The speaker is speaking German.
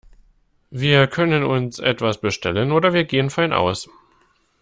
Wir können uns etwas bestellen oder wir gehen fein aus.